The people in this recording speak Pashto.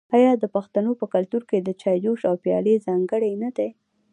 آیا د پښتنو په کلتور کې د چای جوش او پیالې ځانګړي نه دي؟